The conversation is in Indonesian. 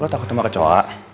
gue takut sama kecoh